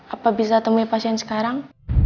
apa bisa temui pasien sekarang